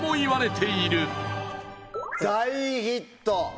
大ヒット！